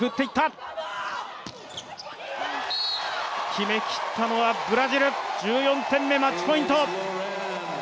決めきったのはブラジル、マッチポイント。